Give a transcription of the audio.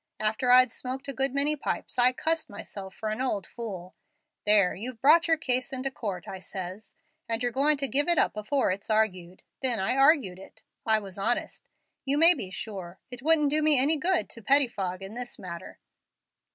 After I'd smoked a good many pipes, I cussed myself for an old fool. 'There, you've brought your case into court,' I says, 'and you're goin' to give it up afore it's argued.' Then I argued it. I was honest, you may be sure. It wouldn't do me any good to pettifog in this matter.